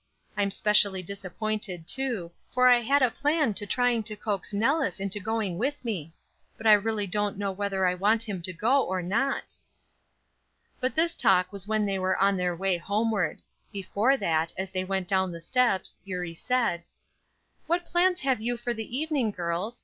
I'm specially disappointed, too, for I had a plan to trying to coax Nellis into going with me, but I really don't know whether I want him to go or not." But this talk was when they were on their way homeward. Before that, as they went down the steps, Eurie said: "What plans have you for the evening, girls?